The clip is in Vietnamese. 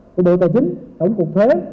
của đội tài chính tổng cục thuế